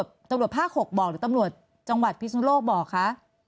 ตำรวจภาค๖บอกหรือตำรวจจังหวัดพิศนุโลกบอกคะ